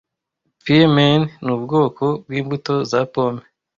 Pearmain nubwoko bwimbuto za pome